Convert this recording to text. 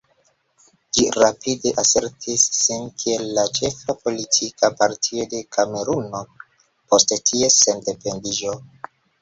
Ĝi rapide asertis sin kiel la ĉefa politika partio de Kameruno post ties sendependiĝo.